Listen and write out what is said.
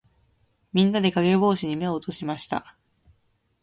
みんなで、かげぼうしに目を落としました。